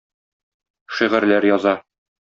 Шигырьләр яза.